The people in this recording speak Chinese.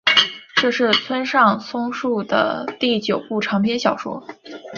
这是村上春树的第九部长篇小说。